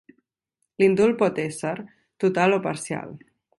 L'indult pot ésser total o parcial.